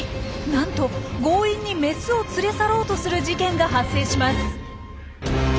なんと強引にメスを連れ去ろうとする事件が発生します。